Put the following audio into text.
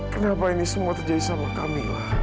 kenapa ini semua terjadi sama kamila